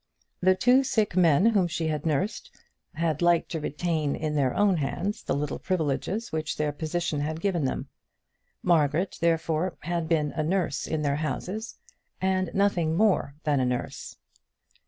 The two sick men whom she had nursed had liked to retain in their own hands the little privileges which their position had given them. Margaret, therefore, had been a nurse in their houses, and nothing more than a nurse.